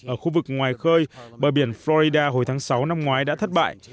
ở khu vực ngoài khơi bờ biển florida hồi tháng sáu năm ngoái đã thất bại